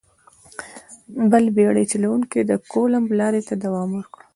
بل بېړۍ چلوونکي د کولمب لارې ته دوام ورکړ.